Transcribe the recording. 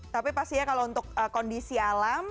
tapi pastinya kalau untuk kondisi alam